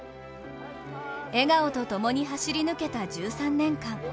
笑顔と共に走り抜けた１３年間。